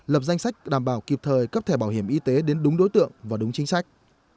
lập danh sách đảm bảo kịp thời cấp thẻ bảo hiểm y tế đến đúng đối tượng và đúng chính sách